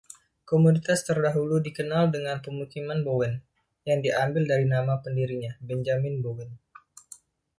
Komunitas terdahulu dikenal sebagai “Pemukiman Bowen”, yang diambil dari nama pendirinya, Benjamin Bowen.